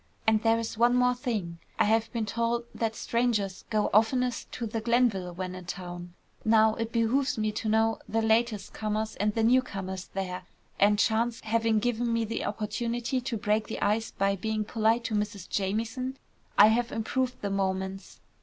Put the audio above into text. And there's one more thing. I have been told that strangers go oftenest to the Glenville when in town. Now it behoves me to know the latest comers, and the newcomers there, and chance having given me opportunity to break the ice by being polite to Mrs. Jamieson, I have improved the moments.